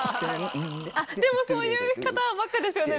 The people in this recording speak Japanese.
でもそういう方ばっかですよね